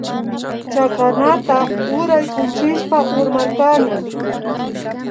Chakanata uraykuchishpa urmarkani